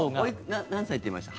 今、何歳って言いました？